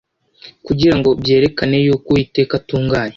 Kugira ngo byerekane yuko uwiteka atunganye